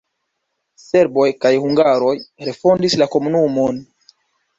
Serboj kaj hungaroj refondis la komunumon.